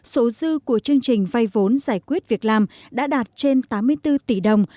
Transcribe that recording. số dư của chương trình vay vốn giải quyết việc làm đã đạt trên tám mươi bốn tỷ đồng